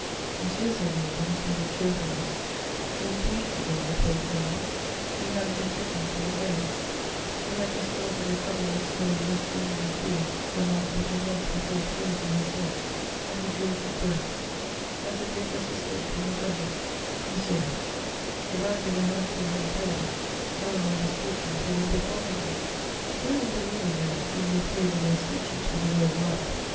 "Monsieur," said he, with a sort of cheerfulness for he breathed again, the poor Colonel; he had again risen from the grave; he had just melted a covering of snow less easily thawed than that which had once before frozen his head; and he drew a deep breath, as if he had just escaped from a dungeon "Monsieur, if I had been a handsome young fellow, none of my misfortunes would have befallen me. Women believe in men when they flavor their speeches with the word Love.